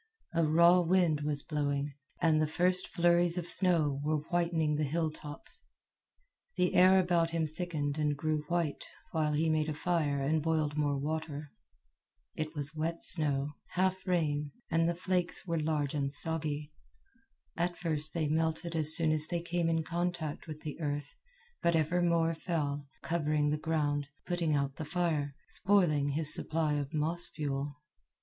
A raw wind was blowing, and the first flurries of snow were whitening the hilltops. The air about him thickened and grew white while he made a fire and boiled more water. It was wet snow, half rain, and the flakes were large and soggy. At first they melted as soon as they came in contact with the earth, but ever more fell, covering the ground, putting out the fire, spoiling his supply of moss fuel.